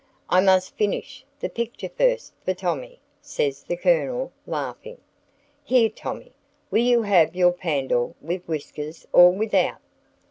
"I must finish, the picture first for Tommy," says the Colonel, laughing. "Here, Tommy, will you have your Pandour with whiskers or without?"